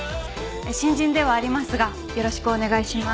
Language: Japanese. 新人ではありますがよろしくお願いします。